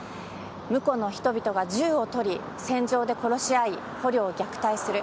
むこの人々が銃をとり、戦場で殺し合い、捕虜を虐待する。